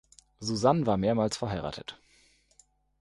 Susan war mehrmals verheiratet.